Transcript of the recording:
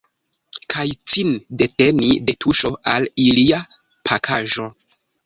Kaj cin deteni de tuŝo al ilia pakaĵo.